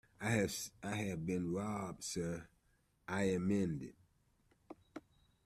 I have been robbed, sir, I amended.